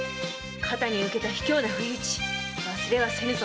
肩に受けた卑怯な不意打ち忘れはせぬぞ！